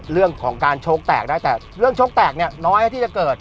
เรื่องของการโชคแตกได้แต่เรื่องโชคแตกเนี่ยน้อยที่จะเกิด